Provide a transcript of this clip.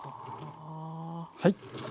はい。